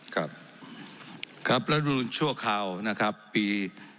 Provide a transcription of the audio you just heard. ครับครับรัฐมนูลชั่วคราวนะครับปี